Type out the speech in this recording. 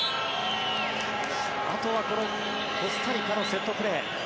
あとは、このコスタリカのセットプレー。